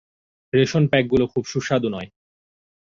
Ration প্যাকগুলো খুব সুস্বাদু নয়।